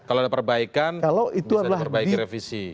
kalau ada perbaikan bisa diperbaiki revisi